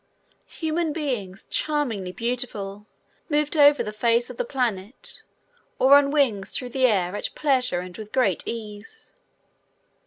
Human beings, charmingly beautiful, moved over the face of the planet or on wings through the air at pleasure and with great ease.